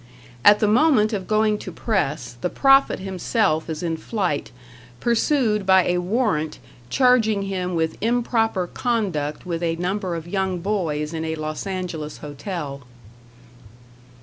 At the moment of going to press, the prophet himself is in flight, pursued by a warrant charging him with improper conduct with a number of young boys in a Los Angeles hotel.